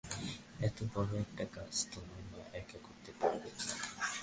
এত বড় একটা কাজ তোমার মা একা করতে পারেন না।